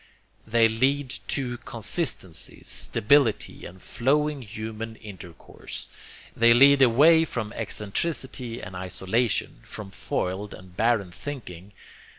They lead to consistency, stability and flowing human intercourse. They lead away from excentricity and isolation, from foiled and barren thinking.